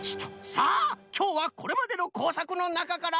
さあきょうはこれまでのこうさくのなかから。